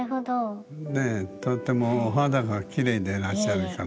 ねえとってもお肌がきれいでらっしゃるから。